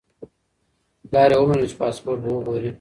پلار یې ومنله چې پاسپورت به وګوري.